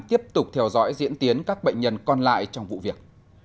tiếp tục theo dõi diễn tiến các bệnh nhân còn lại trong vụ việc